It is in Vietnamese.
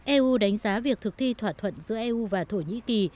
eu đánh giá việc thực thi thỏa thuận giữa eu và thổ nhĩ kỳ